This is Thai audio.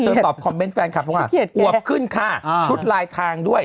ตอบคอมเมนต์แฟนคลับบอกว่าอวบขึ้นค่ะชุดลายทางด้วย